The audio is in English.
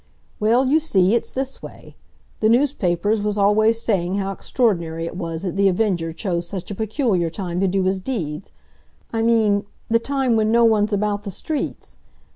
"Well, you see, it's this way. The newspapers was always saying how extraordinary it was that The Avenger chose such a peculiar time to do his deeds—I mean, the time when no one's about the streets.